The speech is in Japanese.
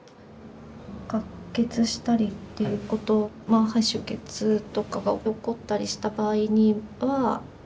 かっ血したりっていうことは肺出血とかが起こったりした場合には。